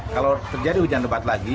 kalau terjadi hujan lebat lagi